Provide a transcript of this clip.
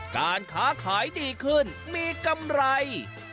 การค้าขายดีขึ้นมีกำไร